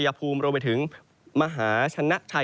ก็คือบริเวณอำเภอเมืองอุดรธานีนะครับ